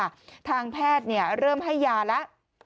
ค่ะทางแพทย์เนี่ยเริ่มให้ยาและ